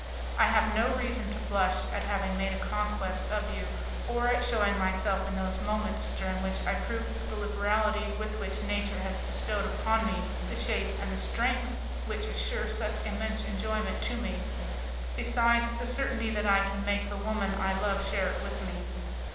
I have no reason to blush at having made a conquest of you, or at shewing myself in those moments during which I prove the liberality with which nature has bestowed upon me the shape and the strength which assure such immense enjoyment to me, besides the certainty that I can make the woman I love share it with me.